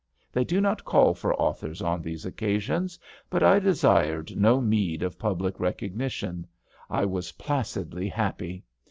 They do not call for authors on these occasions, but I desired no meed of public MY GEEAT AND ONLY 273 recognition. I was placidly happy.